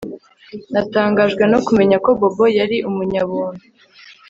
Natangajwe no kumenya ko Bobo yari umunyabuntu